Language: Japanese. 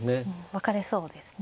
分かれそうですね。